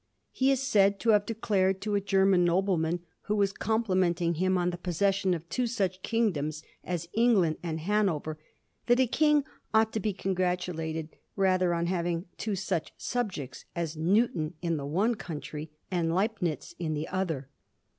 He is said to have declared to a German noble man, who was complimenting him on the possession of two such kingdoms as England and Hanover, that a king ought to be congratulated rather on having two such subjects as Newton in the one country and Leibnitz in the other.